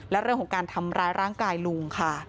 และเรื่องของการทำร้ายร่างกายลุงค่ะ